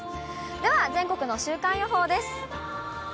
では、全国の週間予報です。